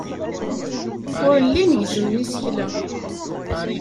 Ur llin gezzmen isekla.